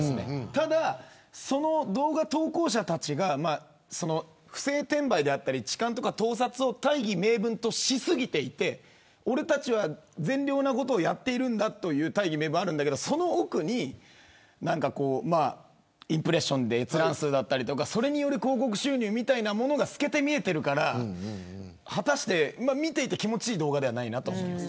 ただ、その動画投稿者たちが不正転売であったり痴漢や盗撮を大義名分とし過ぎていて俺たちは善良なことをやっているんだという大義名分はあるんだけどその奥にインプレッションで閲覧数だったりそれによる広告収入みたいなものが透けて見えてるから見ていて気持ちがいい動画ではない気がします。